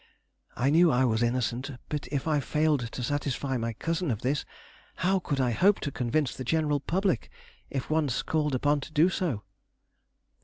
I knew I was innocent; but if I failed to satisfy my cousin of this, how could I hope to convince the general public, if once called upon to do so.